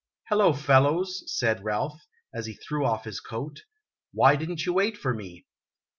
"Hello, fellows," said Ralph, as he threw off his coat, "why did n't you wait for me